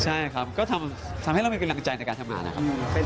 ใช่ครับก็ทำให้เรามีกำลังใจในการทำงานนะครับ